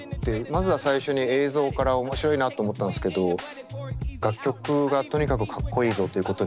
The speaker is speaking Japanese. まずは最初に映像から面白いなと思ったんすけど楽曲がとにかくかっこいいぞということに気付きですね